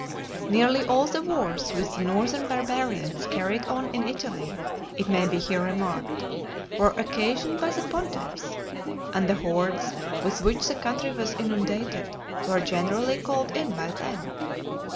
Nearly all the wars which the northern barbarians carried on in Italy, it may be here remarked, were occasioned by the pontiffs; and the hordes, with which the country was inundated, were generally called in by them.